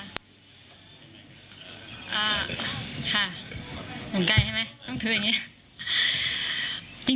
อ่าค่ะเหมือนใกล้ใช่ไหมต้องเถอะอย่างนี้